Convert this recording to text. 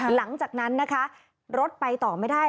หลังจากนั้นนะคะรถไปต่อไม่ได้